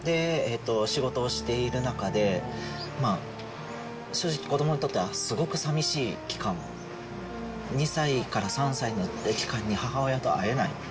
仕事をしている中で、正直、子どもにとってはすごく寂しい期間、２歳から３歳の期間に母親と会えない。